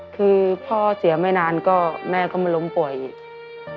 คือพ่อเสียไม่นานก็แม่ก็มาล้มป่วยอีก